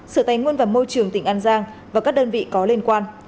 sở tài nguyên và môi trường tỉnh an giang và các đơn vị có liên quan